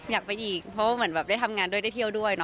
อยากไปอีกเพราะว่าเหมือนแบบได้ทำงานด้วยได้เที่ยวด้วยเน